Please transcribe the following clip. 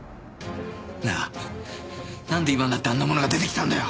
なあなんで今になってあんなものが出てきたんだよ？